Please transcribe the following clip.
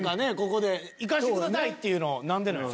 ここで「いかしてください」っていうの何でなん？